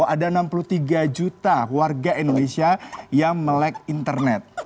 ada enam puluh tiga juta warga indonesia yang melek internet